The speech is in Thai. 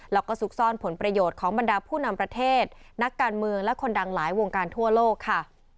แล้วก็ซุกซ่อนผลประโยชน์ของบรรดาผู้นำประเทศนักการเมืองและคนดังหลายวงการทั่วโลกค่ะ